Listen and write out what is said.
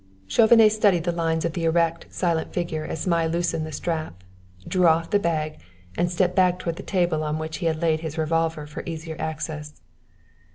Chauvenet studied the lines of the erect, silent figure as Zmai loosened the strap, drew off the bag, and stepped back toward the table on which he had laid his revolver for easier access.